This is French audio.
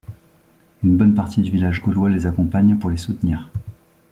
Une bonne partie du village gaulois les accompagne pour les soutenir.